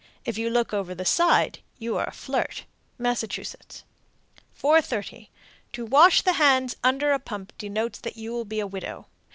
If you look over the side, you are a flirt. Massachusetts. 430. To wash the hands under a pump denotes that you will be a widow.